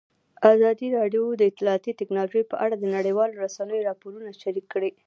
ازادي راډیو د اطلاعاتی تکنالوژي په اړه د نړیوالو رسنیو راپورونه شریک کړي.